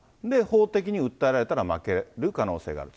法的に訴えられたら負ける可能性がある。